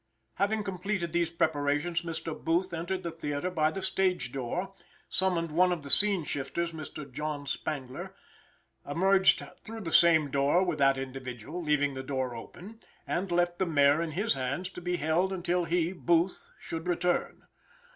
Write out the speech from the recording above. Having completed these preparations, Mr. Booth entered the theater by the stage door; summoned one of the scene shifters, Mr. John Spangler, emerged through the same door with that individual, leaving the door open, and left the mare in his hands to be held until he (Booth) should return.